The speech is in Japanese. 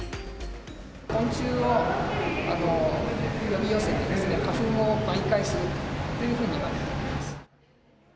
昆虫を呼び寄せて、花粉を媒介するというふうにいわれております。